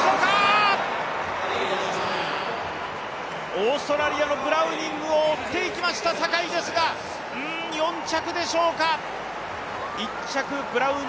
オーストラリアのブラウニングを追っていきました坂井ですが、４着でしょうか。